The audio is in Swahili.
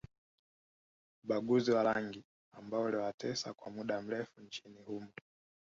Ubaguzi wa rangi ambao uliwatesa kwa mda mrefu nchini humo